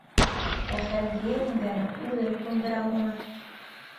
Ә Хәмдиә еңгәне үҙем күндерәм уны.